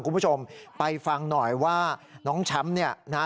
คุณผู้ชมไปฟังหน่อยว่าน้องแชมป์